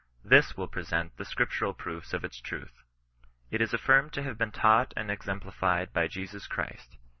Thig will present the Scriptural proofis of its truth. It is affirmed to have been taught and exem plified by Jesus Christ.